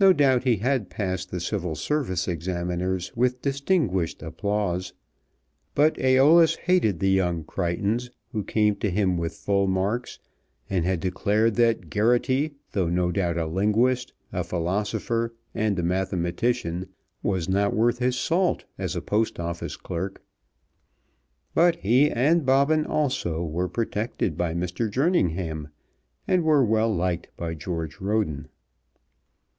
No doubt he had passed the Civil Service examiners with distinguished applause; but Æolus hated the young Crichtons who came to him with full marks, and had declared that Geraghty, though no doubt a linguist, a philosopher, and a mathematician, was not worth his salt as a Post Office clerk. But he, and Bobbin also, were protected by Mr. Jerningham, and were well liked by George Roden.